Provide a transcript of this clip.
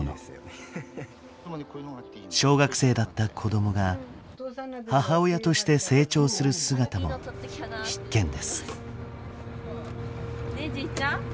小学生だった子供が母親として成長する姿も必見です。